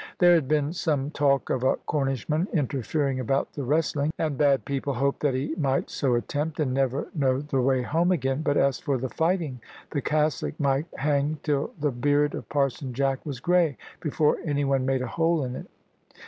There had been some talk of a Cornishman interfering about the wrestling; and bad people hoped that he might so attempt, and never know the way home again; but as for the fighting, the cassock might hang till the beard of Parson Jack was grey, before any one made a hole in it.